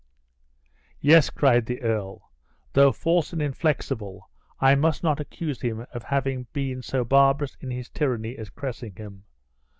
"Yes," cried the earl, "though false and inflexible, I must not accuse him of having been so barbarous in his tyranny as Cressingham.